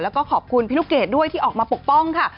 แล้วก็ขอบคุณพี่ลูกเกดด้วยที่ออกมาปกป้องค่ะ